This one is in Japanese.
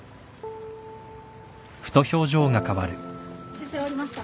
修正終わりました。